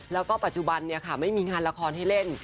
แล้วก็ปัจจุบันไม่มีงานละครให้เล่น